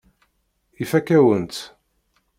Ifakk-awen-t.